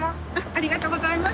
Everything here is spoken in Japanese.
ありがとうございます